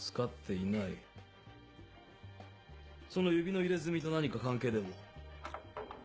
その指の入れ墨と何か関係でも？